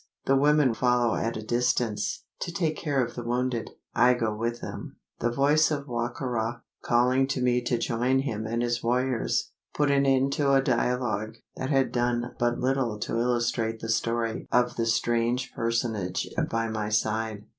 "The women follow at a distance, to take care of the wounded. I go with them." The voice of Wa ka ra, calling to me to join him and his warriors, put an end to a dialogue, that had done but little to illustrate the story of the strange personage by my side.